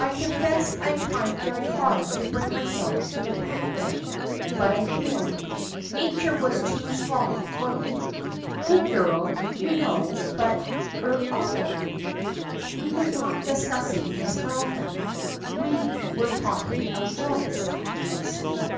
I confess I tried very hard to bring myself to the point there, but I failed. Nature was too strong for me. Good girl, you know, but er awful!" "We were not discussing Miss Maliphant, we were talking of Joyce," icily.